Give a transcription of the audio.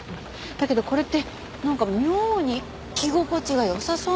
だけどこれってなんか妙に着心地が良さそうなんですよね。